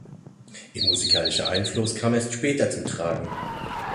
Ihr musikalischer Einfluss kam erst später zum Tragen.